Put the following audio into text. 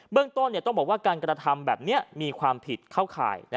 เรื่องต้นต้องบอกว่าการกระทำแบบนี้มีความผิดเข้าข่าย